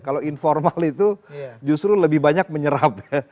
kalau informal itu justru lebih banyak menyerap ya